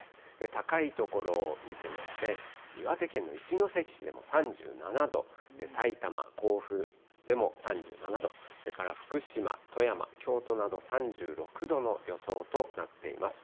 高い所を見ても、岩手県の一関市でも３７度、さいたま、甲府でも３７度、それから福島、富山、京都など３６度の予想となっています。